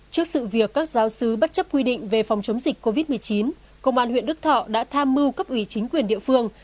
trước sự việc các giáo sứ bất chấp quy định về phòng chống dịch covid một mươi chín công an huyện đức thọ đã tham mưu cấp ủy chính quyền địa phương